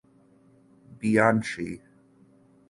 Bianchi.